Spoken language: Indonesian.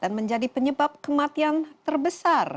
dan menjadi penyebab kematian terbesar